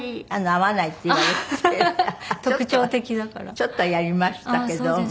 ちょっとはやりましたけど。